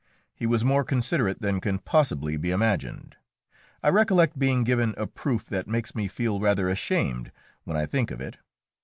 He was more considerate than can possibly be imagined. I recollect being given a proof that makes me feel rather ashamed when I think of it.